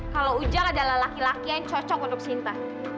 kalau ujang adalah laki laki yang cocok untuk sinta